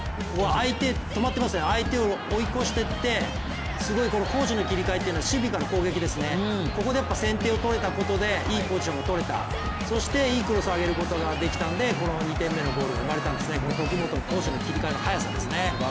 相手止まってますね、相手を追い越していって攻守の切り替え守備から攻撃ですね、ここでやっぱり先手を取れたことでいいポジションがとれた、そしていいクロスを上げることができたんでこの２点目のゴールが生まれたんですね、徳元選手の切り替えの早さですね。